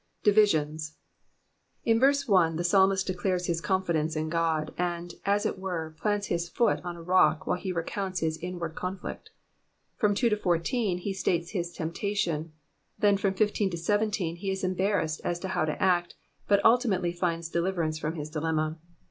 Divisions. — In verse 1 the psalmist declares his confidence in God, and, as ii toere, plants his foot on a rock while he recounts his inward covfiict. From 2 to 14 he states his temptaiion; then from 15 to 17 he is embarrassed as how to act, but ultimately finds de liverance from his dUemma.